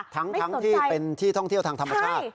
ทั้งที่เป็นที่ท่องเที่ยวทางธรรมชาติ